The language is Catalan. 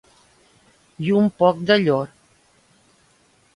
I un poc de llor.